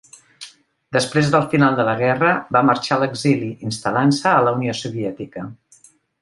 Després del final de la guerra va marxar a l'exili, instal·lant-se a la Unió Soviètica.